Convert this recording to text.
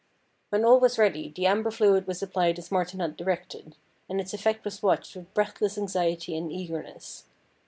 When all was ready the amber fluid was applied as Martin had directed, and its effect was watched with breathless anxiety and eagerness.